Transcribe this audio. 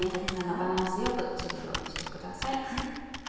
バランス良く散るようにしてください。